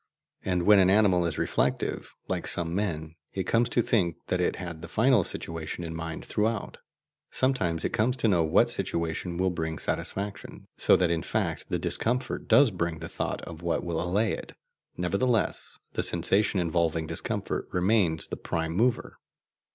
And when an animal is reflective, like some men, it comes to think that it had the final situation in mind throughout; sometimes it comes to know what situation will bring satisfaction, so that in fact the discomfort does bring the thought of what will allay it. Nevertheless the sensation involving discomfort remains the prime mover.